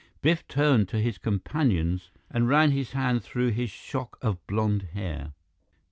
Biff turned to his companions and ran his hand through his shock of blond hair.